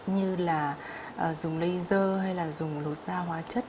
như là dùng laser hay là dùng lột da hóa chất